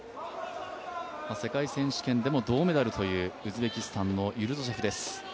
世界選手権でも銅メダルというウズベキスタンのユルドシェフです。